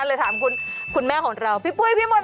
เลยถามคุณแม่ของเราพี่ปุ้ยพี่มนต